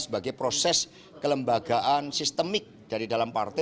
sebagai proses kelembagaan sistemik dari dalam partai